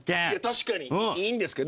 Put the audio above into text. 確かにいいんですけど。